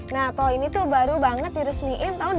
nah toh ini tuh baru banget diresmiin tahun dua ribu sembilan belas